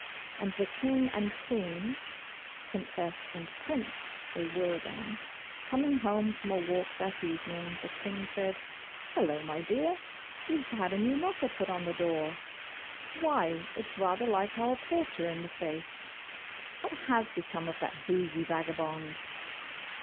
And the King and Queen (Princess and Prince they were then) coming home from a walk that evening, the King said, 'Hullo, my dear! you have had a new knocker put on the door. Why, it's rather like our porter in the face! What has become of that boozy vagabond?